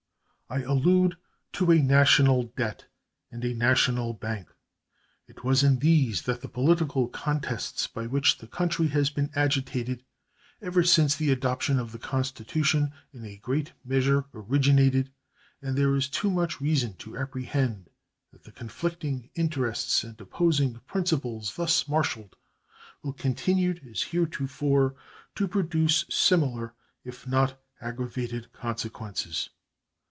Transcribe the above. I allude to a national debt and a national bank. It was in these that the political contests by which the country has been agitated ever since the adoption of the Constitution in a great measure originated, and there is too much reason to apprehend that the conflicting interests and opposing principles thus marshaled will continue as heretofore to produce similar if not aggravated consequences.